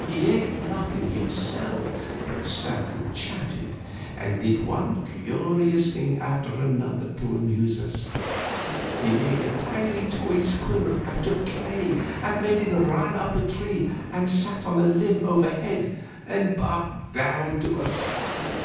He ate nothing himself, but sat and chatted, and did one curious thing after another to amuse us. He made a tiny toy squirrel out of clay, and it ran up a tree and sat on a limb overhead and barked down at us.